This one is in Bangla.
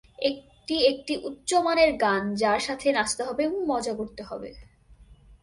এটি একটি উচ্চমানের গান যার সাথে নাচতে হবে এবং মজা করতে হবে।